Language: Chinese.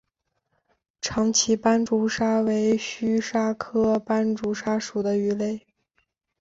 长鳍斑竹鲨为须鲨科斑竹鲨属的鱼类。